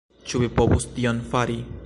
Ĉu vi povus tion fari?